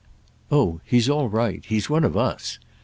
"Oh he's all right—he's one of _us!